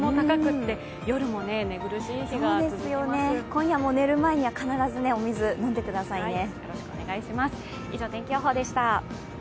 今夜も寝る前には必ずお水、飲んでくださいね。